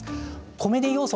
コメディー要素